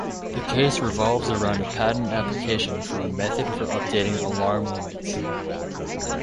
The case revolves around a patent application for a "Method for Updating Alarm Limits".